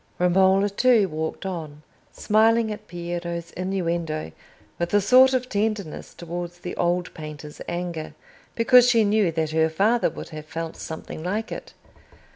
Romola, too, walked on, smiling at Piero's innuendo, with a sort of tenderness towards the old painter's anger, because she knew that her father would have felt something like it.